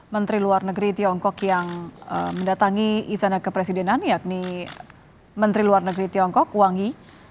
menteri luar negeri tiongkok yang mendatangi istana kepresidenan yakni menteri luar negeri tiongkok wangi